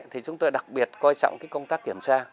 thì chúng tôi đặc biệt coi trọng cái công tác kiểm tra